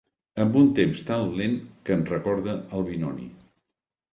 Amb un temps tan lent que ens recorda Albinoni.